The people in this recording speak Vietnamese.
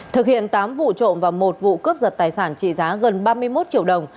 thực hiện tám vụ trộm và một vụ cướp giật tài sản trị giá gần ba mươi một triệu đồng